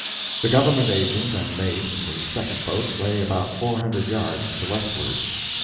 The government agent and mate in the second boat lay about 400 yards to the westward.